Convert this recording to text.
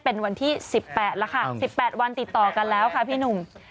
เป็นวันที่๑๘แล้วค่ะ๑๘วันติดต่อกันแล้วค่ะพี่หนุ่ม